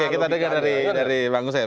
kita dengar dari bangun saya